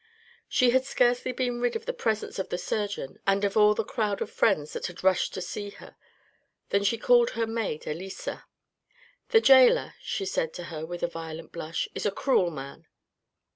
She had scarcely been rid of the presence of the surgeon and of all the crowd of friends that had rushed to see her, than she called her maid, Elisa. " The gaoler," she said to her with a violent blush, " is a cruel man.